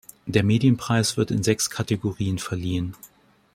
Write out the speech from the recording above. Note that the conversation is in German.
Der Medienpreis wird in sechs Kategorien verliehen.